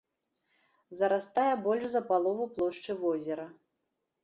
Зарастае больш за палову плошчы возера.